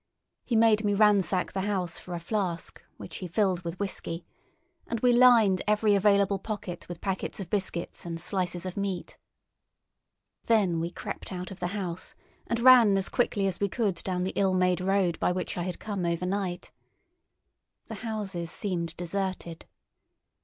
He made me ransack the house for a flask, which he filled with whisky; and we lined every available pocket with packets of biscuits and slices of meat. Then we crept out of the house, and ran as quickly as we could down the ill made road by which I had come overnight. The houses seemed deserted.